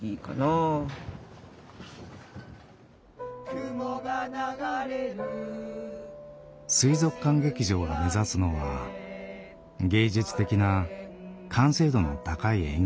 「雲が流れる」水族館劇場が目指すのは芸術的な完成度の高い演劇ではない。